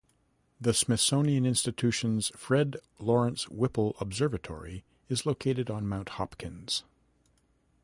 The Smithsonian Institution's Fred Lawrence Whipple Observatory is located on Mount Hopkins.